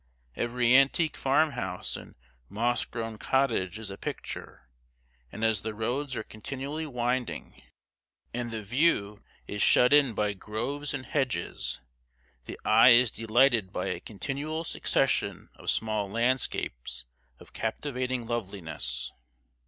Every antique farm house and moss grown cottage is a picture; and as the roads are continually winding, and the view is shut in by groves and hedges, the eye is delighted by a continual succession of small landscapes of captivating loveliness.